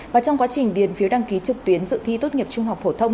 và trong quá trình điền phiếu đăng ký trực tuyến dự thi tốt nghiệp trung học phổ thông